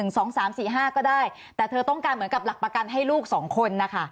แบ่งเป็น๑๒๓๔๕ก็ได้แต่เธอต้องการเหมือนกับหลักประกันให้ลูก๒คนนะคะ